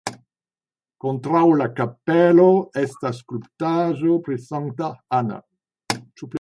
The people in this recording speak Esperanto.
Kontraŭ la kapelo estas skulptaĵo pri Sankta Anna.